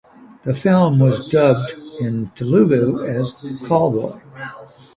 The film was dubbed in Telugu as "Call Boy".